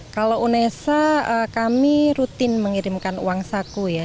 kalau unesa kami rutin mengirimkan uang saku ya